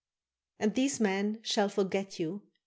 —And these men shall forget you.